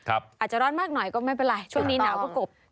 อาจจะร้อนมากหน่อยก็ไม่เป็นไรช่วงนี้หนาวก็กบ